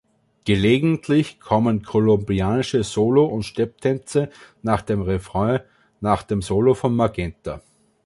Gelegentlich kommen kolumbianische Solo- und Stepptänze nach dem Refrain nach dem Solo von Magenta.